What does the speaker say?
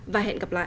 và hẹn gặp lại